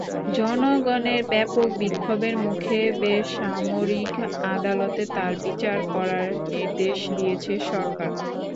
জনগণের ব্যাপক বিক্ষোভের মুখে বেসামরিক আদালতে তাঁর বিচার করার নির্দেশ দিয়েছে সরকার।